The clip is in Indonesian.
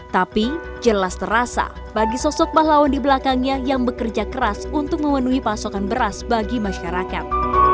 tapi jelas terasa bagi sosok pahlawan di belakangnya yang bekerja keras untuk memenuhi pasokan beras bagi masyarakat